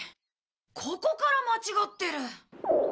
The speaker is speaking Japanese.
ここから間違ってる。